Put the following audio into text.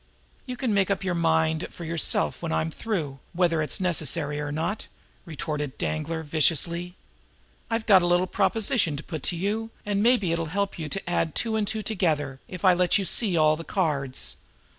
"You can make up your mind for yourself when I'm through whether it's necessary or not!" retorted Danglar viciously. "I've got a little proposition to put up to you, and maybe it'll help you to add two and two together if I let you see all the cards.